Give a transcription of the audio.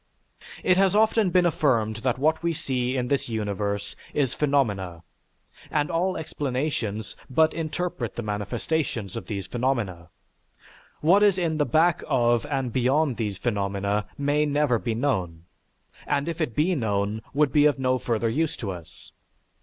It has often been affirmed that what we see in this universe is phenomena, and all explanations but interpret the manifestations of these phenomena. What is in back of and beyond these phenomena may never be known, and if it be known, would be of no further use to us.